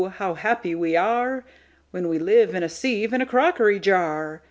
how happy we areWhen we live in a sieve and a crockery jar!